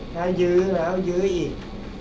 ถ้ายืมแล้วยืมอีก